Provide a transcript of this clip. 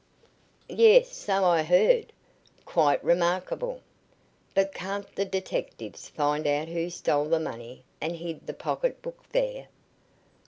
"Yes, so I heard. Quite remarkable. But can't the detectives find out who stole the money and hid the pocketbook there?"